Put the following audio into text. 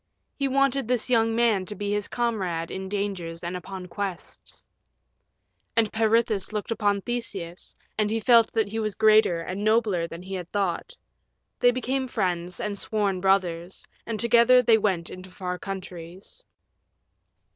He wanted this young man to be his comrade in dangers and upon quests. And Peirithous looked upon Theseus, and he felt that he was greater and nobler than he had thought. They became friends and sworn brothers, and together they went into far countries.